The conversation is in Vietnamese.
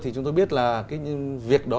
thì chúng tôi biết là cái việc đó